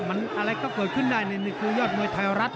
อะไรก็กลับขึ้นได้ในกลุ่มยอดมวยไทยรัฐ